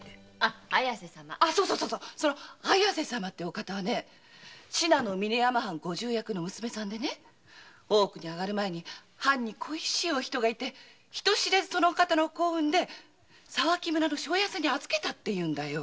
方は信濃峰山藩ご重役の娘さんで大奥に上がる前に藩に恋しい人がいて人知れずお子を産んで沢木村の庄屋さんに預けたって言うんだよ。